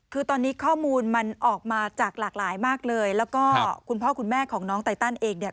คือตอนนี้ข้อมูลมันออกมาจากหลากหลายมากเลยแล้วก็คุณพ่อคุณแม่ของน้องไตตันเองเนี่ย